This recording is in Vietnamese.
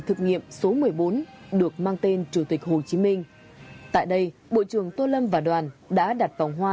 thực nghiệm số một mươi bốn được mang tên chủ tịch hồ chí minh tại đây bộ trưởng tô lâm và đoàn đã đặt vòng hoa